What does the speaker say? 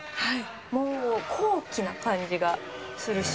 もう高貴な感じがするし。